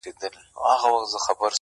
ياد مي دي تا چي شنه سهار كي ويل_